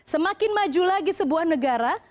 semakin maju lagi sebuah negara